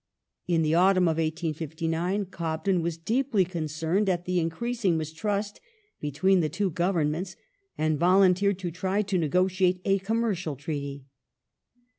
In the autumn of 1859 Cobden was deeply concerned at the increasing mistrust between the two Governments, and volunteered to try to negotiate a commercial treaty.